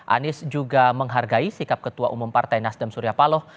anies juga menghargai sikap ketua umum partai nasdem surya paloh